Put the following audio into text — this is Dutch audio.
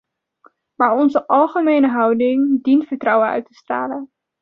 Maar onze algemene houding dient vertrouwen uit te stralen.